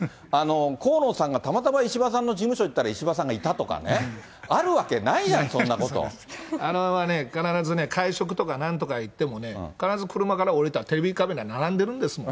河野さんがたまたま石破さんの事務所に行ったら、石破さんがいたとかね、あるわけないやん、そんあれはね、必ずね、会食とかなんとかいってもね、必ず車から降りたらテレビカメラ、並んでるんですもん。